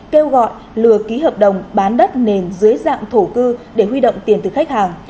kêu gọi lừa ký hợp đồng bán đất nền dưới dạng thổ cư để huy động tiền từ khách hàng